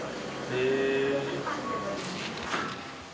へえ。